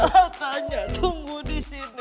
tanda tanda tunggu disini